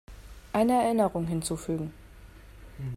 Eine Erinnerung hinzufügen.